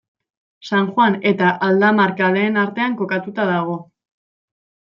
San Juan eta Aldamar kaleen artean kokatua dago.